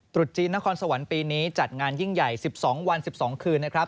ตรุษจีนนครสวรรค์ปีนี้จัดงานยิ่งใหญ่๑๒วัน๑๒คืนนะครับ